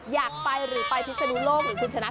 อยากไปหรือไปพิศนุโลกหรือคุณชนะ